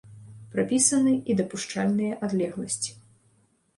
Прапісаны і дапушчальныя адлегласці.